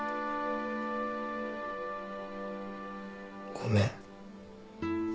ごめん。